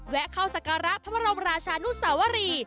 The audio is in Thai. แวะเข้าศักราชพระพระรมราชานุสวรรี